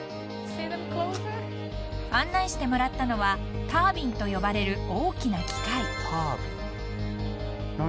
［案内してもらったのはタービンと呼ばれる大きな機械］